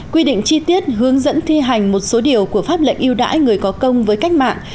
quy định chi tiết hướng dẫn thi hành một số điều của pháp lệnh yêu đãi người có công với cách mạng